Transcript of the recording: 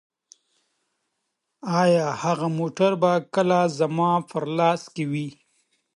ایا هغه موټر به کله زما په لاس کې وي؟